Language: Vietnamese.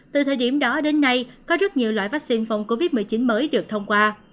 từ thời điểm đó đến nay có rất nhiều loại vaccine phòng covid một mươi chín mới được thông qua